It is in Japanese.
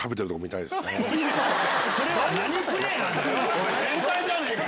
おい変態じゃねえか！